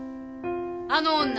あの女